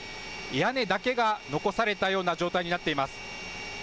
屋根だけが残されたような状態になっています。